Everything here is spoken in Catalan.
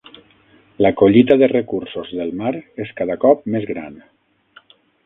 La collita de recursos del mar és cada cop més gran.